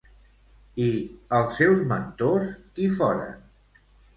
I els seus mentors, qui foren?